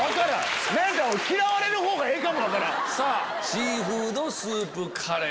シーフードスープカレー。